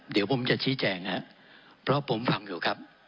เดี๋ยวผมจะชี้แจงครับเพราะผมฟังอยู่ครับ